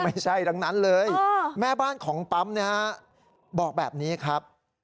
ไม่ใช่ดังนั้นเลยแม่บ้านของปั๊มนะฮะบอกแบบนี้ครับ